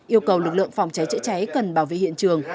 yêu cầu lực lượng phòng cháy chữa cháy cần bảo vệ hiện trường